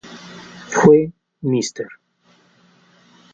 Fue Mr.